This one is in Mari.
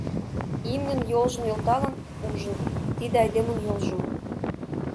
Имньын йолжым нӧлталын, ужын: тиде айдемын йолжо.